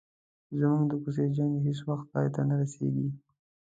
زموږ د کوڅې جنګ هیڅ وخت پای ته نه رسيږي.